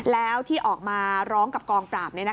แล้วที่ออกมาร้องกับกองปราบ